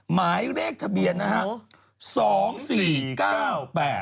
หมายเลขทะเบียนนะฮะ